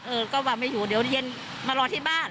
เออก็ว่าไม่อยู่เดี๋ยวเย็นมารอที่บ้าน